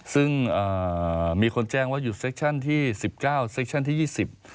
ซึ่งมีคนแจ้งว่าอยู่เซ็กชั่นที่๑๙เซ็กชั่นที่๒๐